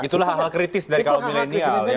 itulah hal hal kritis dari kaum milenial ya